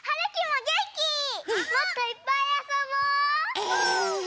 もっといっぱいあそぼう！え。